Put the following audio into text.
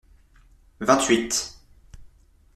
Vingt-huit.